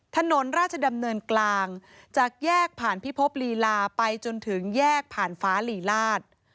ถนนราชดำเนินกลางจากแยกผ่านพิภพลีลาไปจนถึงแยกผ่านฟ้าลีลาศ